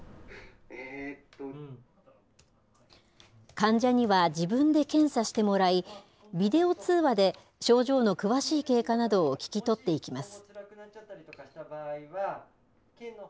患者には自分で検査してもらい、ビデオ通話で症状の詳しい経過などを聞き取っていきます。